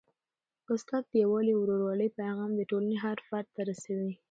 استاد د یووالي او ورورولۍ پیغام د ټولني هر فرد ته رسوي.